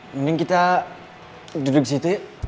mending kita duduk disitu yuk